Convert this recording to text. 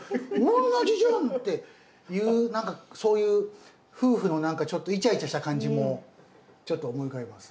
同じじゃん！」っていう何かそういう夫婦の何かちょっとイチャイチャした感じもちょっと思い浮かびます。